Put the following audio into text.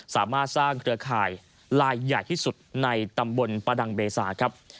สามารถสร้างเครือข่ายลายใหญ่ที่สุดในตำบลประดังเบซาครับ